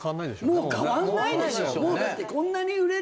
もうもう変わんないでしょう